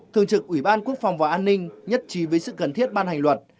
thường trực ủy ban quốc phòng và an ninh nhất trí với sự cần thiết ban hành luật